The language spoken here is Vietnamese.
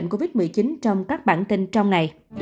của báo sức khỏe và đời sống